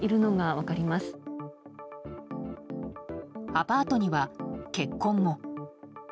アパートには血痕も。